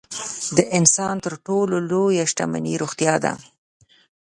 د انسان تر ټولو لویه شتمني روغتیا ده.